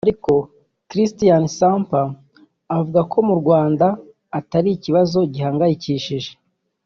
ariko Cristián Samper avuga ko mu Rwanda atari ikibazo gihangayikishije